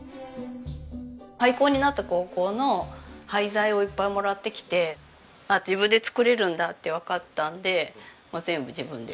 廃校になった高校の廃材をいっぱいもらってきて自分で作れるんだってわかったんで全部自分で。